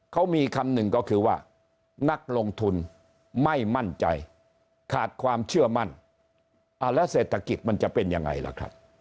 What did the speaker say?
เขามีคำหนึ่งก็คือว่านักลงทุนไม่มั่นใจขาดความเชื่อมั่นแล้วเศรษฐกิจมันจะเป็นยังไงล่ะครับ